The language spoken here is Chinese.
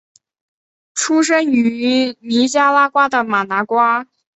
出生于尼加拉瓜的马拿瓜。